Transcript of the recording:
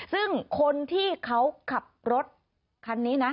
ซึ่งคนที่เขาขับรถคันนี้นะ